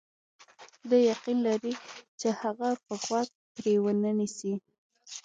دی یقین لري چې هغه به غوږ پرې ونه نیسي.